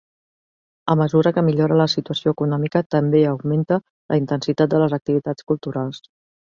A mesura que millora la situació econòmica, també augmenta la intensitat de les activitats culturals.